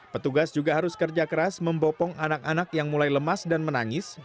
petugas juga harus kerja keras membopong anak anak yang mulai lemas dan menangis